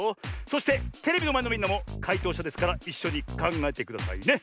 そしてテレビのまえのみんなもかいとうしゃですからいっしょにかんがえてくださいね。